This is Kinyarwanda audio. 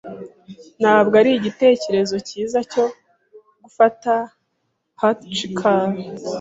Ntabwo ari igitekerezo cyiza cyo gufata hitchikers.